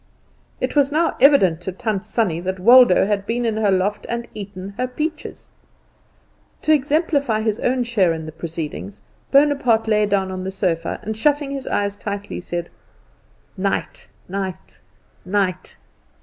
It was now evident to Tant Sannie that Waldo had been in her loft and eaten her peaches. To exemplify his own share in the proceedings, Bonaparte lay down on the sofa, and shutting his eyes tightly, said, "Night, night, night!"